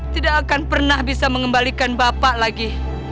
tidak akan pernah bisa mengembalikan bapak lagi